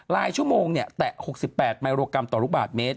ชั่วโมงแตะ๖๘มิโครกรัมต่อลูกบาทเมตร